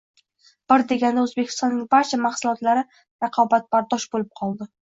Bir deganda O‘zbekistonning barcha mahsulotlari raqobatbardosh bo‘lib qoldi.